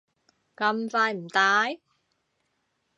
咁快唔戴？